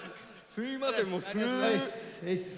すいませんもう。